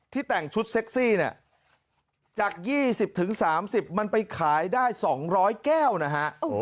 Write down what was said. แต่งชุดเซ็กซี่เนี่ยจาก๒๐๓๐มันไปขายได้๒๐๐แก้วนะฮะ